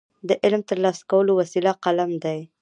د علم ترلاسه کولو وسیله قلم دی.